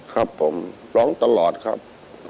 ครับผมร้องตลอดครับ